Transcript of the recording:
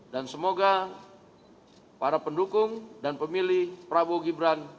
dan semoga para pendukung dan pemilih prabowo gibran